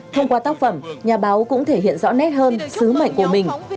thông qua tác phẩm nhà báo cũng thể hiện rõ nét hơn sứ mệnh của mình